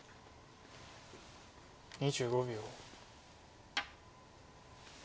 ２５秒。